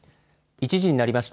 １時になりました。